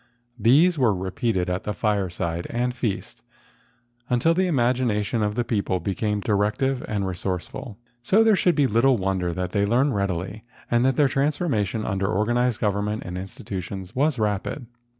These were repeated at fireside and feast, until the imagina¬ tion of the people became directive and resource¬ ful. So there should be little wonder that they learned readily and that their transformation under organized government and institutions was rapid.